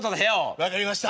分かりました。